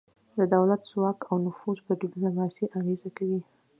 د دولت ځواک او نفوذ په ډیپلوماسي اغیزه کوي